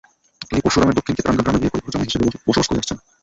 তিনি পরশুরামের দক্ষিণ কেতরাঙ্গা গ্রামে বিয়ে করে ঘরজামাই হিসেবে বসবাস করে আসছেন।